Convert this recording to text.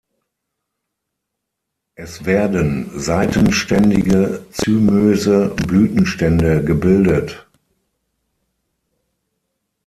Es werden seitenständige zymöse Blütenstände gebildet.